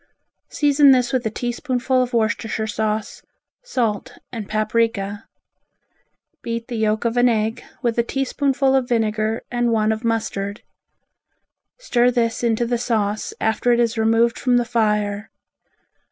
Season this with a teaspoonful of Worcestershire sauce, salt and paprika. Beat the yolk of an egg with a teaspoonful of vinegar and one of mustard. Stir this into the sauce after it is removed from the fire.